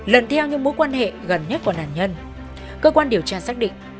lần theo những mối quan hệ gần nhất của nạn nhân cơ quan điều tra xác định